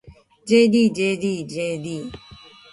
ｊｄｊｄｊｄ